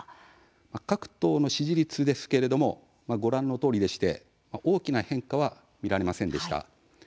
各党の支持率ですけれどもご覧のとおりで大きな変化は見られませんでした。